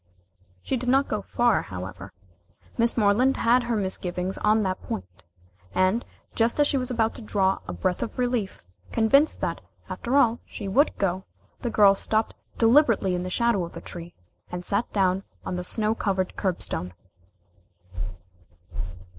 She did not go far, however. Miss Moreland had her misgivings on that point. And, just as she was about to draw a breath of relief, convinced that, after all, she would go, the girl stopped deliberately in the shadow of a tree, and sat down on the snow covered curbstone.